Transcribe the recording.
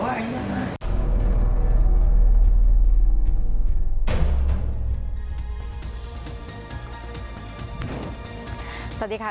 สวัสดีครับ